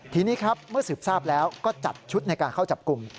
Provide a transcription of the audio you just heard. ทีนี้ครับเมื่อสืบทราบแล้วก็จัดชุดในการเข้าจับกลุ่ม